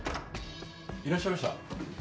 いらっしゃいました。